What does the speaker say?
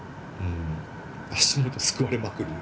足元すくわれまくる。